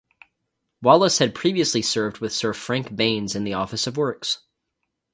Wallis had previously served with Sir Frank Baines in the Office of Works.